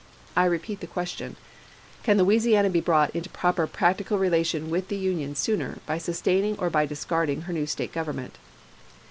I repeat the question: Can Louisiana be brought into proper practical relation with the Union sooner by sustaining or by discarding her new State government